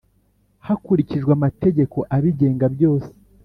hakurikijwe amategeko abigenga byose.